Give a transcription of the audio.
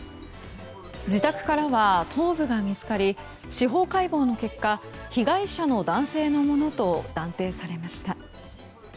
自宅からは頭部が見つかり司法解剖の結果、被害者の男性のものと断定されました。